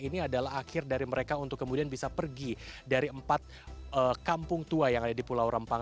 ini adalah akhir dari mereka untuk kemudian bisa pergi dari empat kampung tua yang ada di pulau rempang